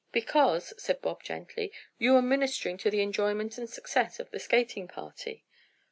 "Because," said Bob gently, "you were ministering to the enjoyment and success of the skating party."